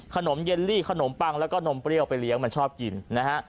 เยลลี่ขนมปังแล้วก็นมเปรี้ยวไปเลี้ยงมันชอบกินนะฮะ